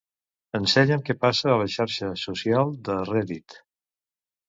Ensenya'm què passa a la xarxa social de Reddit.